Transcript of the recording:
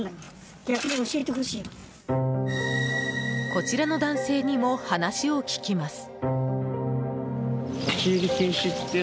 こちらの男性にも話を聞きます。